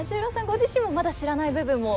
ご自身もまだ知らない部分も？